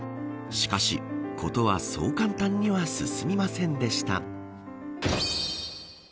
しかし、ことはそう簡単には進みませんでした。